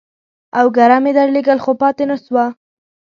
اوگره مې درلېږل ، خو پاته نسوه.